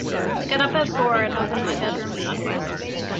I got up at four and opened my bedroom shutters.